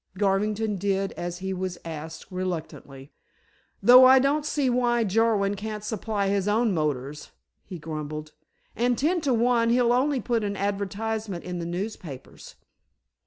Garvington did as he was asked reluctantly. "Though I don't see why Jarwin can't supply his own motors," he grumbled, "and ten to one he'll only put an advertisement in the newspapers."